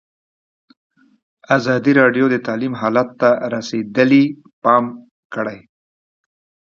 ازادي راډیو د تعلیم حالت ته رسېدلي پام کړی.